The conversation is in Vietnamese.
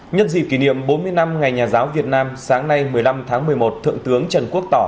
nhân dịp kỷ niệm bốn mươi năm ngày nhà giáo việt nam sáng nay một mươi năm tháng một mươi một thượng tướng trần quốc tỏ